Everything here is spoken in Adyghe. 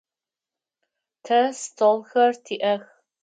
Тэ столхэр тиӏэх.